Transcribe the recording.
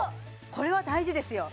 これは大事ですよ